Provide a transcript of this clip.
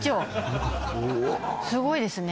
すごいですね